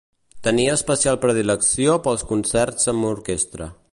Tenia especial predilecció pels concerts amb orquestra.